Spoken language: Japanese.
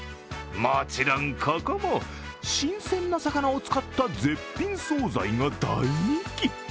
もちろん、ここも新鮮な魚を使った絶品総菜が大人気。